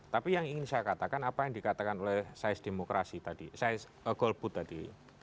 tapi yang ingin saya katakan apa yang dikatakan oleh sains demokrasi tadi saya golput tadi